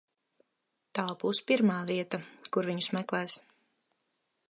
Tā būs pirmā vieta, kur viņus meklēs.